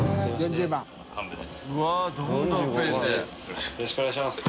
よろしくお願いします。